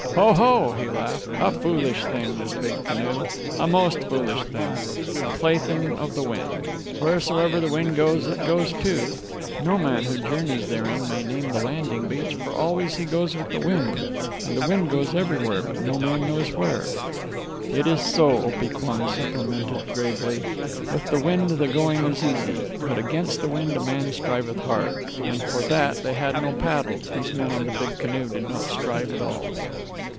"Ho! Ho!" he laughed. "A foolish thing, this big canoe! A most foolish thing! The plaything of the wind! Wheresoever the wind goes, it goes too. No man who journeys therein may name the landing beach, for always he goes with the wind, and the wind goes everywhere, but no man knows where." "It is so," Opee Kwan supplemented gravely. "With the wind the going is easy, but against the wind a man striveth hard; and for that they had no paddles these men on the big canoe did not strive at all."